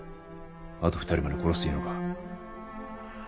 あと２人まで殺すというのか？